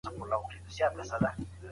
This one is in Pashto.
هغه تل مرسته کوي